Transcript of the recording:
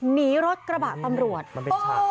หนีรถกระบะตำรวจ